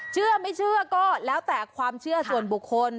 เชื่อไม่เชื่อก็แล้วแต่ความเชื่อส่วนบุคคล